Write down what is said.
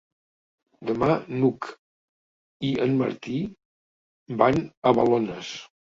Demà n'Hug i en Martí van a Balones.